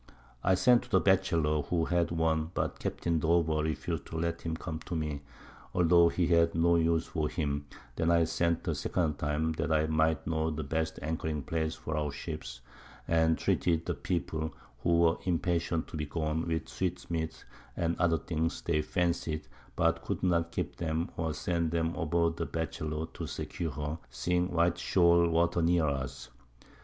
I sent to the Batchelor, who had one, but Capt. Dover refus'd to let him come to me, altho' he had no use for him; then I sent a second time, that I might know the best anchoring Place for our Ships, and treated the People (who were impatient to be gone) with Sweet meats and other things they fancy'd, but could not keep 'em, or send them aboard the Batchelor to secure her, seeing white Shole Water near us.